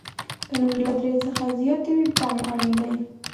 که نمرې له درې څخه زیاتې وي، پام مو اړین دی.